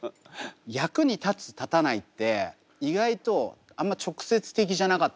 役に立つ立たないって意外とあんま直接的じゃなかったりするんですよ。